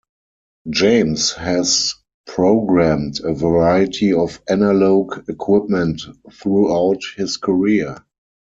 James has programmed a variety of analogue equipment throughout his career.